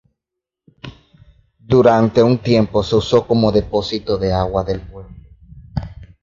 Durante un tiempo se usó como depósito de agua del pueblo.